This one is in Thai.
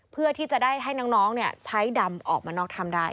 เพื่อที่จะได้ให้น้องใช้ดำออกมานอกถ้ำได้